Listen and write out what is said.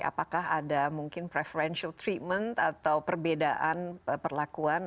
apakah ada mungkin preferential treatment atau perbedaan perlakuan